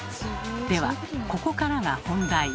ではここからが本題。